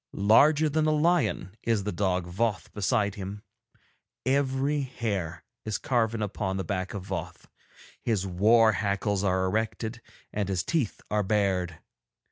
Larger than a lion is the dog Voth beside him; every hair is carven upon the back of Voth, his war hackles are erected and his teeth are bared.